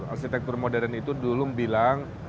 arsitektur modern itu dulu bilang